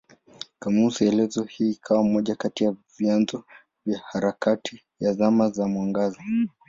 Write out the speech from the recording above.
Kamusi elezo hii ikawa moja kati ya vyanzo vya harakati ya Zama za Mwangaza.